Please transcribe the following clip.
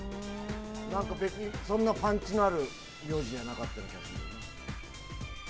別に、そんなパンチのある苗字じゃなかった気がする。